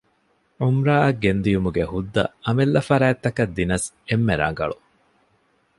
ޢުމްރާއަށް ގެންދިޔުމުގެ ހުއްދަ އަމިއްލަ ފަރާތްތަކަށް ދިނަސް އެންމެ ރަގަޅު